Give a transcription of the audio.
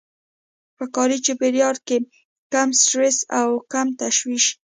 په کاري چاپېريال کې کم سټرس او کم تشويش.